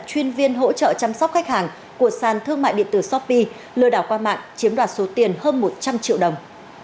chuyên viên hỗ trợ chăm sóc khách hàng của sàn thương mại điện tử shopee lừa đảo qua mạng chiếm đoạt số tiền hơn một trăm linh triệu đồng